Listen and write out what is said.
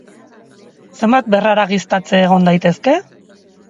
Zenbat berraragiztatze egon daitezke?